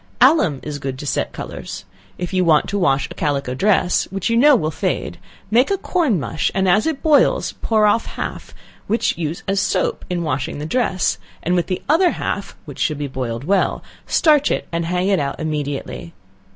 Alum is good to set colors. If you want to wash a calico dress, which you know will fade, make a corn mush, and as it boils, pour off half, which use as soap in washing the dress, and with the other half, (which should be boiled well,) starch it, and hang it out immediately.